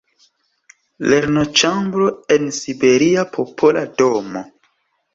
“Lernoĉambro en siberia Popola Domo.